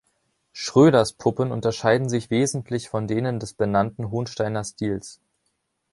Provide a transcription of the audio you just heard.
Schröders Puppen unterschieden sich wesentlich von denen des bekannten Hohnsteiner Stils.